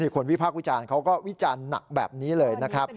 คนวิพากษ์วิจารณ์เขาก็วิจารณ์หนักแบบนี้เลยนะครับ